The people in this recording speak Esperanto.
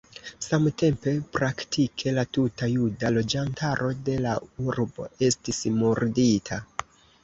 Samtempe praktike la tuta juda loĝantaro de la urbo estis murdita.